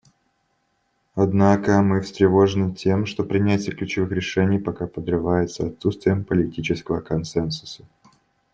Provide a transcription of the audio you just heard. Однако мы встревожены тем, что принятие ключевых решений пока подрывается отсутствием политического консенсуса.